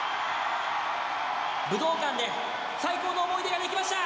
武道館で最高の思い出ができました。